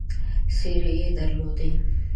څېرې درلودې.